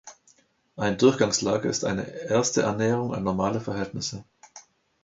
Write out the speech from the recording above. Ein Durchgangslager ist eine erste Annäherung an normale Verhältnisse.